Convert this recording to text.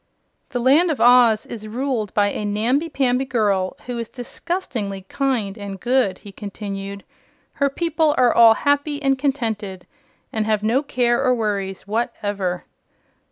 "The Land of Oz is ruled by a namby pamby girl who is disgustingly kind and good," he continued. "Her people are all happy and contented and have no care or worries whatever."